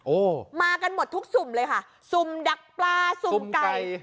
โอ้โหมากันหมดทุกสุ่มเลยค่ะสุ่มดักปลาสุ่มไก่